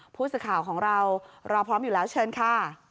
ผู้สื่อข่าวของเรารอพร้อมอยู่แล้วเชิญค่ะ